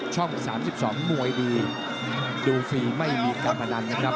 ช่อง๓๒มวยดีดูฟรีไม่มีการพนันนะครับ